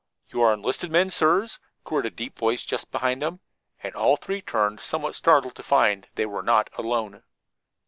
"You are enlisted men, sirs?" queried a deep voice just behind them, and all three turned, somewhat startled to find they were not alone.